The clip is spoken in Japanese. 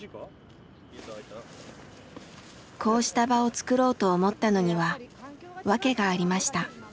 こうした場をつくろうと思ったのには訳がありました。